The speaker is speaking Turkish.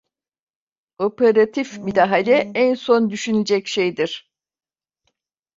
Operatif müdahale en sonra düşünülecek şeydir.